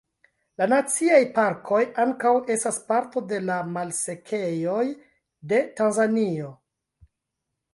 La naciaj parkoj ankaŭ estas parto de la malsekejoj de Tanzanio.